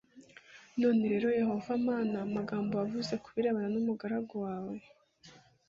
none rero yehova mana amagambo wavuze ku birebana n umugaragu wawe